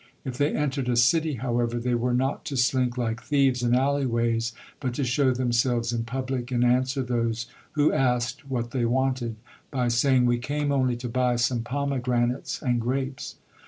If they entered a city, however, they were not to slink like thieves in alleyways, but to show themselves in public and answer those who asked what they wanted by saying: "We came only to buy some pomegranates and grapes."